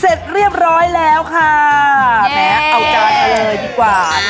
ใช่แล้วก็มาเรียบร้อยแล้วครับเอาจานมันเลยดีกว่า